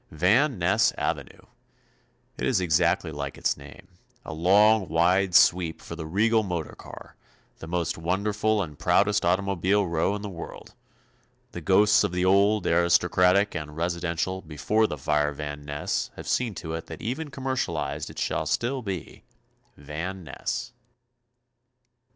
Van Ness avenue. It is exactly like its name. A long wide sweep for the regal motor car, the most wonderful and proudest automobile row in the world. The ghosts of the old, aristocratic and residential before the fire Van Ness have seen to it that even commercialized it shall still be Van Ness.